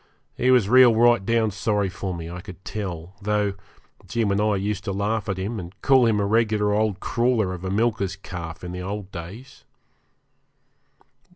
He was real rightdown sorry for me, I could tell, though Jim and I used to laugh at him, and call him a regular old crawler of a milker's calf in the old days.